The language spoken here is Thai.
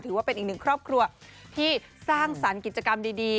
ถือว่าเป็นอีกหนึ่งครอบครัวที่สร้างสรรค์กิจกรรมดี